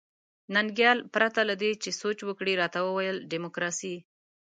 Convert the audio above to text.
ننګیال پرته له دې چې سوچ وکړي راته وویل ډیموکراسي.